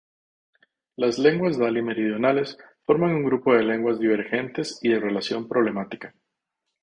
Las lenguas Daly meridionales forman un grupo de lenguas divergentes y de relación problemática.